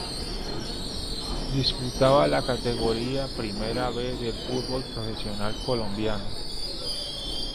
Disputaba la Categoría Primera B del fútbol profesional colombiano.